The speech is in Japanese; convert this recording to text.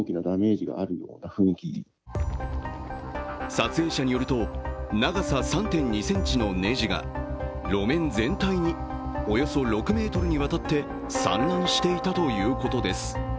撮影者によると、長さ３．２ｃｍのネジが路面全体におよそ６ｍにわたって散乱していたということです。